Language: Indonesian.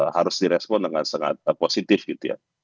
harus direspon dengan sangat positif gitu ya